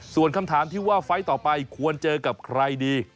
ส่วนคำถามที่ว่าไฟล์ต่อไปควรเจอกับใครดี